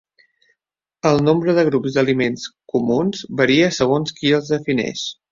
El nombre de grups d'aliments "comuns" varia segons qui els defineix.